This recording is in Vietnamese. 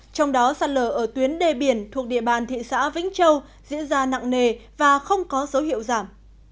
trong đó sạt lở ở tuyến đê biển thuộc địa bàn thị xã vĩnh châu diễn ra nặng nề và không có dấu hiệu giảm